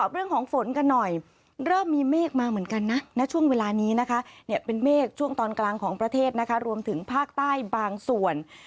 เริ่มมีเมฆมาเหมือนกันนะณช่วงเวลานี้นะคะเนี่ยเป็นเมฆช่วงตอนกลางของประเทศนะคะรวมถึงภาคใต้บางส่วน